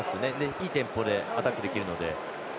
いいテンポでアタックできるので。